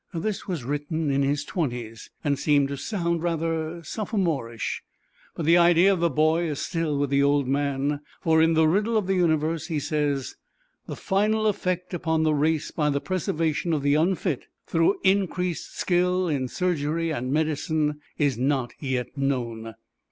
This was written in his twenties, and seems to sound rather sophomorish, but the idea of the boy is still with the old man, for in "The Riddle of the Universe" he says, "The final effect upon the race by the preservation of the unfit, through increased skill in surgery and medicine, is not yet known."